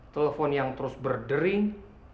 telepon yang terus berdering